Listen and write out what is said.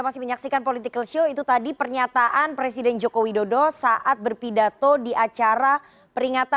silahkan terjemahkan sendiri